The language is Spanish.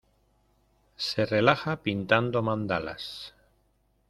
Se relaja pintando mandalas.